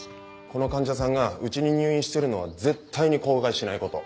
この患者さんがうちに入院してるのは絶対に口外しないこと。